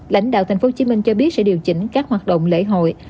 lãnh đạo tp hcm cho biết sẽ điều chỉnh các hoạt động lễ hội